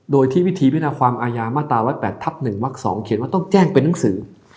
โดยที่วิธีพินาความอายามาตรา๑๐๘ทับ๑วัก๒เขียนว่าต้องแจ้งเป็นหนังสือ